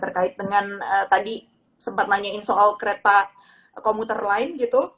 terkait dengan tadi sempat nanyain soal kereta komuter lain gitu